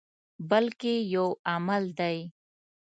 بلکې یو عمل دی.